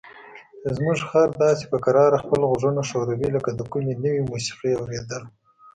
زموږ خر داسې په کراره خپل غوږونه ښوروي لکه د کومې نوې موسیقۍ اوریدل.